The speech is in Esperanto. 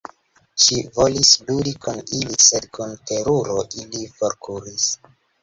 Ŝi volis ludi kun ili, sed kun teruro ili forkuris.